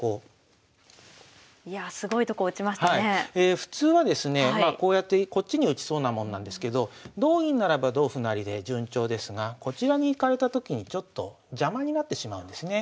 普通はですねまあこうやってこっちに打ちそうなもんなんですけど同銀ならば同歩成で順調ですがこちらに行かれたときにちょっと邪魔になってしまうんですね。